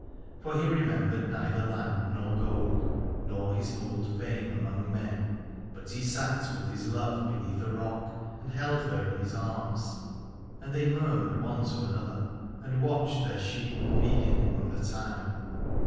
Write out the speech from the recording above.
For he remembered neither land nor gold, nor his old fame among men : but he sat with his love beneath a rock and held her in his arms, and they murmured one to another, and watched their sheep feeding among the thyme.